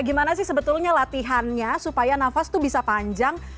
gimana sih sebetulnya latihannya supaya nafas tuh bisa panjang